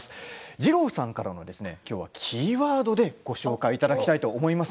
二朗さんからはキーワードでご紹介いただきたいと思います。